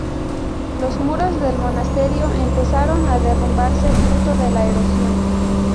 Los muros del monasterio empezaron a derrumbarse fruto de la erosión.